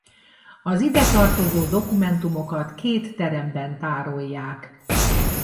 Az ide tartozó dokumentumokat két teremben tárolják.